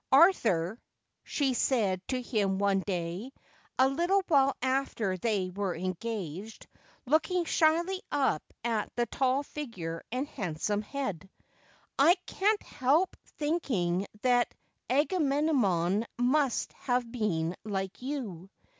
' Arthur,' she said to him one day, a little while after they were engaged, looking shyly up at the tall figure and handsome head, ' I can't help thinking that Agamemnon must have been like you.'